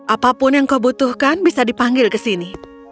apapun yang kau butuhkan bisa dipanggil ke sini